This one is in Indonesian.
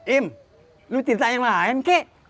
im lu cinta yang lain kek